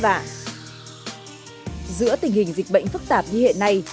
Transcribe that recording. giữa tình hình dịch bệnh phức tạp như hiện nay